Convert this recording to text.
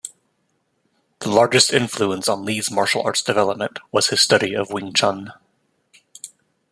The largest influence on Lee's martial arts development was his study of Wing Chun.